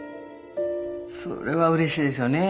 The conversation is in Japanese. それはうれしいですよね。